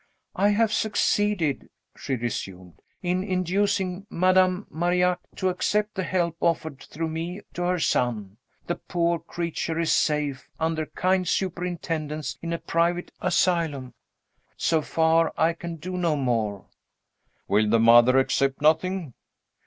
"I have succeeded," she resumed, "in inducing Madame Marillac to accept the help offered through me to her son. The poor creature is safe, under kind superintendence, in a private asylum. So far, I can do no more." "Will the mother accept nothing?"